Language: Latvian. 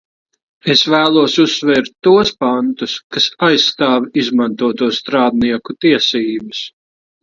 Es vēlos uzsvērt tos pantus, kas aizstāv izmantoto strādnieku tiesības.